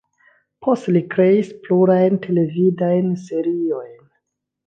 Poste li kreis pluraj televidajn seriojn.